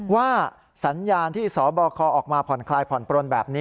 ว่าสัญญาณที่สบคออกมาผ่อนคลายผ่อนปลนแบบนี้